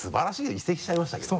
移籍しちゃいましたけどね。